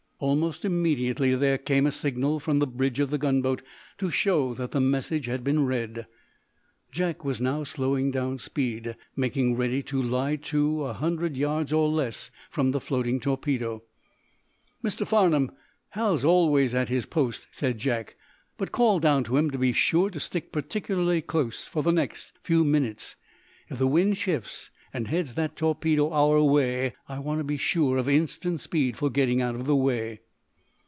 Almost immediately there came a signal from the bridge of the gunboat, to show that the message had been read. Jack was now slowing down speed, making ready to lie to, a hundred yards or less from the floating torpedo. "Mr. Farnum, Hal's always at his post," said Jack, "but call down to him to be sure to stick particularly close for the next few minutes. If the wind shifts, and heads that torpedo our way, I want to be sure of instant speed for getting out of the way."